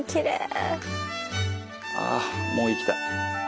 あもう行きたい。